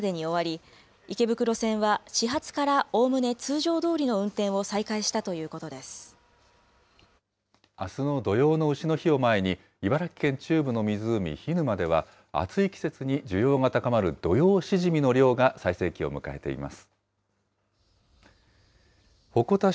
一方、架線などの復旧作業はけさまでに終わり、池袋線は始発からおおむね通常どおりの運転を再開したということあすの土用のうしの日を前に、茨城県中部の湖、涸沼では暑い季節に需要が高まる土用シジミの漁が最盛期を迎えています。